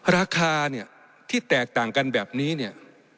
ราคาเนี่ยที่แตกต่างกันแบบนี้เนี่ย